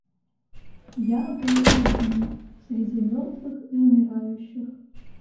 Я был один среди мертвых и умирающих.